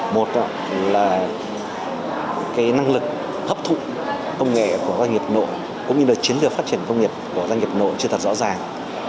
một là năng lực hấp thụ công nghệ của doanh nghiệp nội cũng như là chiến lược phát triển công nghiệp của doanh nghiệp nội chưa thật rõ ràng